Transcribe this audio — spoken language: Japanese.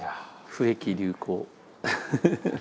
「不易流行」。